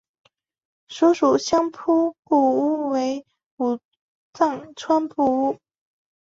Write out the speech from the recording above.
所属相扑部屋为武藏川部屋。